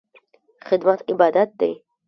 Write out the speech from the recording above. خدمت عبادت دی